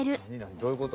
どういうこと？